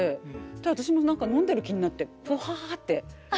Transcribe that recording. で私も飲んでる気になって「ぷは！」って。